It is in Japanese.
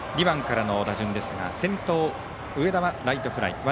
２番からの打順ですが先頭の上田はライトフライ。